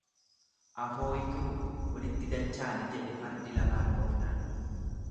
Afooyituu walitti dachaane jedhe fardi lafaan dhoofnaan.